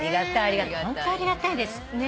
ホントありがたいです。